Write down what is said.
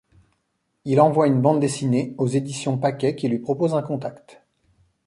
Il envoie une bande dessinée aux éditions Paquets qui lui proposent un contact.